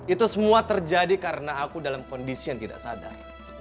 itu semua terjadi karena aku dalam kondisi yang tidak sadar